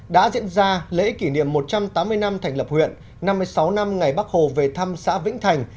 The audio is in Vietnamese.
đã diễn ra lễ kỷ niệm một trăm tám mươi năm thành lập huyện năm mươi sáu năm ngày bắc hồ về thăm xã vĩnh thành